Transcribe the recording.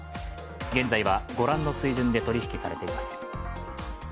現在は、ご覧の水準で取引されています。